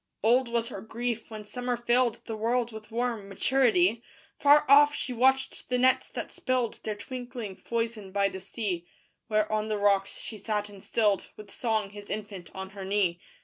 Old was her grief when summer filled The world with warm maturity: Far off she watched the nets that spilled Their twinkling foison by the sea: Where on the rocks she sat and stilled With song his infant on her knee.